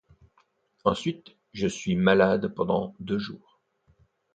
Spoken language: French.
Ensuite, je suis malade pendant deux jours.